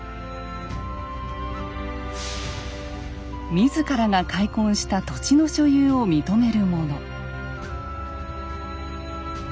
自らが開墾した土地の所有を認めるもの。